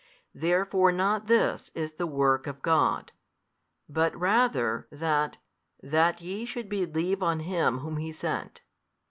Therefore not this is the tvork of God, but rather that, that ye should believe on Him whom He sent.